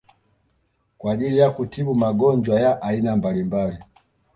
kwa ajili ya kutibu magonjwa ya aina mbalimbali